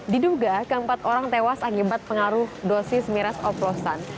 diduga keempat orang tewas akibat pengaruh dosis miras oplosan